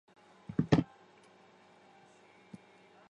经济部国际贸易局亦在伦敦设立驻英国代表处经济组。